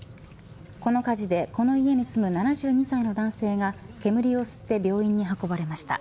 この火事でこの家に住む７２歳の男性が煙を吸って病院に運ばれました。